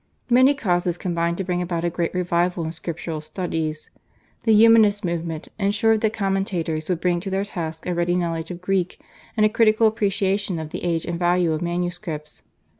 Many causes combined to bring about a great revival in Scriptural studies. The Humanist movement ensured that commentators would bring to their task a ready knowledge of Greek and a critical appreciation of the age and value of manuscripts.